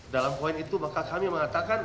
dalam poin itu maka kami mengatakan